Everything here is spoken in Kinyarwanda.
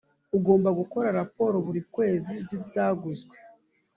ugomba gukora raporo buri kwezi z’ibyaguzwe